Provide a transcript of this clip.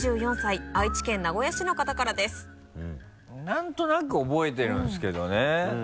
何となく覚えてるんですけどね。